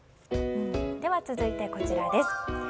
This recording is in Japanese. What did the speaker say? では続いてこちらです。